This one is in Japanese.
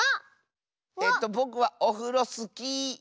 えっとぼくはオフロスキー。